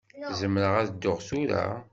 Zemreɣ ad dduɣ tura?